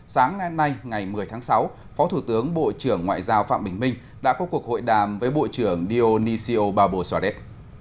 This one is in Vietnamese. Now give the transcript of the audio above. sáng nay ngày một mươi tháng sáu phó thủ tướng bộ trưởng ngoại giao phạm bình minh đã có cuộc hội đàm với bộ trưởng dionisio barbosodet